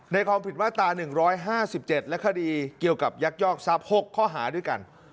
ความผิดมาตรา๑๕๗และคดีเกี่ยวกับยักยอกทรัพย์๖ข้อหาด้วยกัน